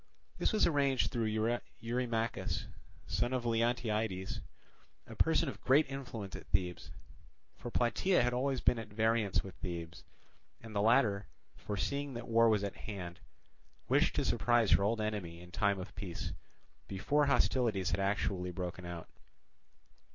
This was arranged through Eurymachus, son of Leontiades, a person of great influence at Thebes. For Plataea had always been at variance with Thebes; and the latter, foreseeing that war was at hand, wished to surprise her old enemy in time of peace, before hostilities had actually broken out.